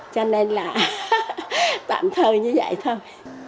cho nên là tạm thời như vậy thôi